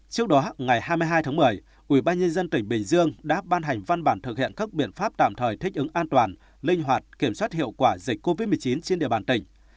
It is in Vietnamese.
trước đó ngày hai mươi hai tháng một mươi ubnd tỉnh bình dương đã ban hành văn bản thực hiện các biện pháp tạm thời thích ứng an toàn linh hoạt kiểm soát hiệu quả dịch covid một mươi chín trên địa bàn tỉnh